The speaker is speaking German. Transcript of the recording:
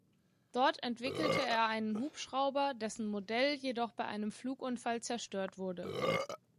Dort entwickelte er einen Hubschrauber, dessen Modell jedoch bei einem Flugunfall zerstört wurde.